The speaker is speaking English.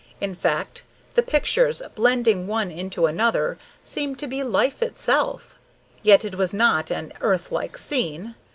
In fact, the pictures, blending one into another, seemed to be life itself. Yet it was not an earth like scene.